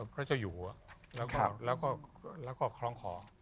พระเจ้าอยู่หัวแล้วก็คล้องคอ